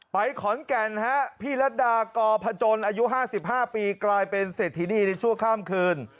ขอนแก่นฮะพี่รัฐดากอพจนอายุ๕๕ปีกลายเป็นเศรษฐีนีในชั่วข้ามคืน